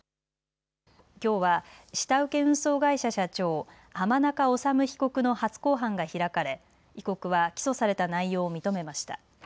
きょうは下請け運送会社社長、濱中治被告の初公判が開かれ被告は起訴された内容を認めました。